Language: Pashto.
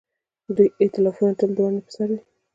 د دوی ائتلافونه تل د ونډې پر سر وي.